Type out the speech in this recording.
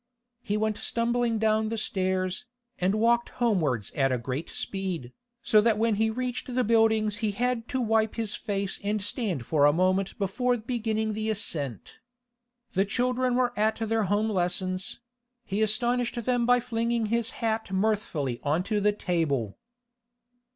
He went stumbling down the stairs, and walked homewards at a great speed, so that when he reached the Buildings he had to wipe his face and stand for a moment before beginning the ascent. The children were at their home lessons; he astonished them by flinging his hat mirthfully on to the table.